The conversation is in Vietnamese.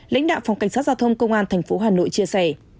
lãnh đạo phòng cảnh sát giao thông công an tp hà nội chia sẻ